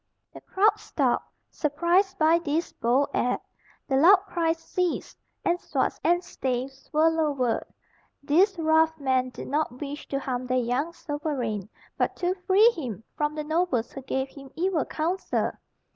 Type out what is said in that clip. The crowd stopped, surprised by this bold act; the loud cries ceased, and swords and staves were lowered. These rough men did not wish to harm their young sovereign, but to free him from the nobles who gave him evil counsel.